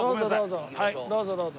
どうぞどうぞ。